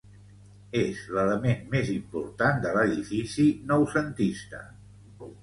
És l'element més important de l'edifici noucentista.